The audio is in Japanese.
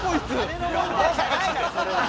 金の問題じゃないだろそれは。